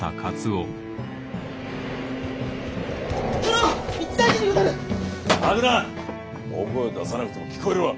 大声を出さなくても聞こえるわ。